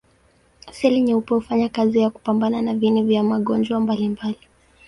Seli nyeupe hufanya kazi ya kupambana na viini vya magonjwa mbalimbali.